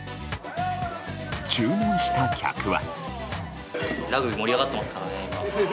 注文した客は。